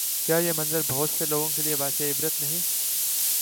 کیا یہ منظر بہت سے لوگوں کے لیے باعث عبرت نہیں؟